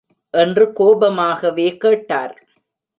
என்று கோபமாகவே கேட்டார்.